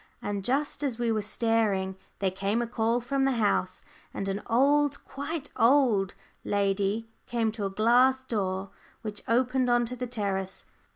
And just as we were staring, there came a call from the house, and an old, quite old, lady came to a glass door which opened on to the terrace.